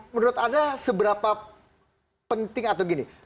menurut anda seberapa penting atau gini